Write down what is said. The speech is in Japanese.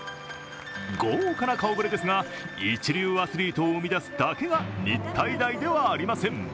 豪華な顔ぶれですが、一流アスリートを生み出すだけが日体大ではありません。